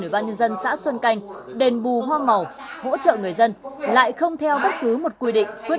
ủy ban nhân dân xã xuân canh đền bù hoa màu hỗ trợ người dân lại không theo bất cứ một quy định quyết